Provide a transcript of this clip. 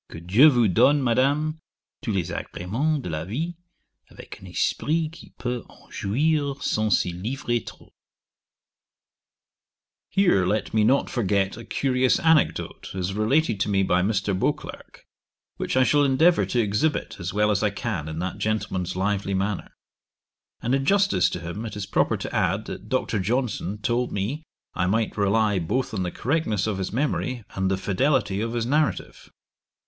Que Dieu vous donne, Madame, tous les agrémens de la vie, avec un esprit qui peut en jouir sans s'y livrer trop_.' Here let me not forget a curious anecdote, as related to me by Mr. Beauclerk, which I shall endeavour to exhibit as well as I can in that gentleman's lively manner; and in justice to him it is proper to add, that Dr. Johnson told me I might rely both on the correctness of his memory, and the fidelity of his narrative.